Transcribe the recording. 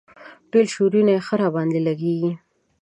ټول شعرونه یې ښه راباندې لګيږي.